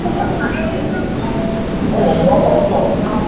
পত্রিকায় খবরটি ফলাও করে আসায় ইংরেজ কর্মকর্তাদের তা দৃষ্টি আকর্ষণ করে।